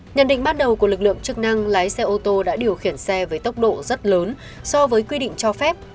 nhận định bắt đầu của lực lượng chức năng lái xe ô tô đã điều khiển xe với tốc độ rất lớn so với quy định cho phép